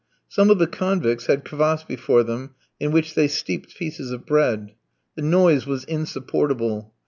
Some of the convicts had kvas before them, in which they steeped pieces of bread. The noise was insupportable.